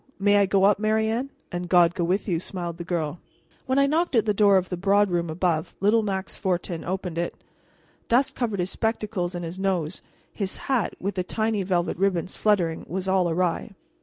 May I go up, Marianne?" "And God go with you," smiled the girl. When I knocked at the door of the broad room above little Max Fortin opened it. Dust covered his spectacles and nose; his hat, with the tiny velvet ribbons fluttering, was all awry.